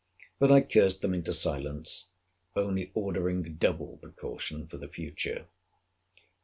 But I cursed them into silence; only ordering double precaution for the future.